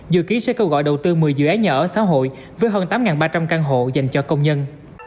dự kiến sẽ kêu gọi đầu tư một mươi dự án nhà ở xã hội với hơn tám ba trăm linh căn hộ dành cho công nhân